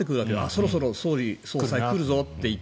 そろそろ総理・総裁が来るぞと。